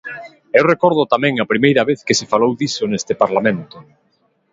Eu recordo tamén a primeira vez que se falou diso neste Parlamento.